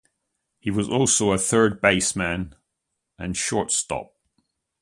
He was also a third baseman and shortstop.